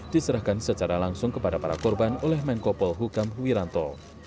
diserahkan secara langsung kepada para korban oleh menkopol hukam wiranto